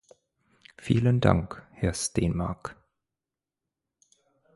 Vielen Dank, Herr Stenmarck.